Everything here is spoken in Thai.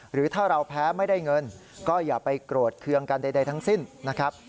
หรือถ้าเราแพ้ไม่ได้เงินก็อย่าไปโกรธเคืองกันใดทั้งสิ้นนะครับ